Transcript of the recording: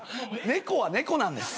猫は猫なんです。